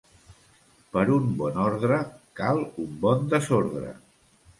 Per un bon ordre cal un bon desordre.